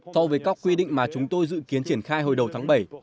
so với các quy định mà chúng tôi dự kiến triển khai hồi đầu tháng bảy